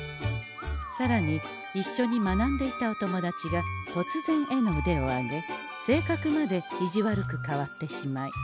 さらにいっしょに学んでいたお友達がとつぜん絵の腕を上げ性格まで意地悪く変わってしまい。